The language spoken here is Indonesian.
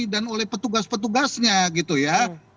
dan oleh petugas petugasnya gitu ya